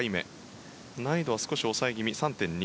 難易度は少し抑え気味３．２。